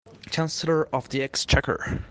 Chancellor of the Exchequer